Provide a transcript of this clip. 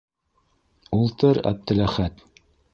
Ултыр, Әптеләхәт...